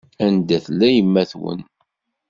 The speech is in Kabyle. Anda tella yemma-twen?